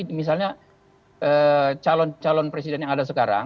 misalnya calon calon presiden yang ada sekarang